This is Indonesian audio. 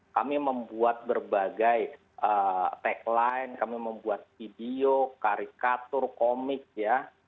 kami membuat berbagai tagline kami membuat video karikatur komik ya